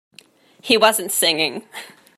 He wasn't singing.